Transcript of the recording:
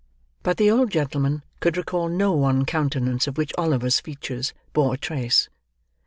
But the old gentleman could recall no one countenance of which Oliver's features bore a trace.